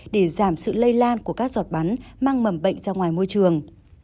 để giảm sự lây lan của các giọt bắn mang mầm bệnh ra ngoài môi trường